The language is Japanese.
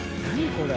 これ。